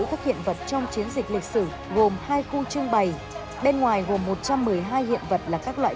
các hiện vật trong chiến dịch lịch sử gồm hai khu trưng bày bên ngoài gồm một trăm một mươi hai hiện vật là các loại